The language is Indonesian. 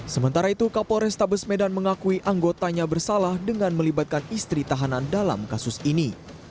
sementara itu kapolres tabes medan mengakui anggotanya bersalah dengan melibatkan istri tahanan dalam kasus ini